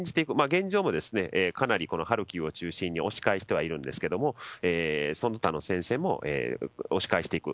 現状もかなりハルキウを中心に押し返してはいるんですがその他の戦線も、押し返していく。